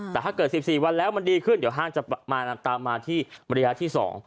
แต่ถ้าเกิด๑๔วันแล้วมันดีขึ้นเดี๋ยวห้างจะมาตามมาที่ระยะที่๒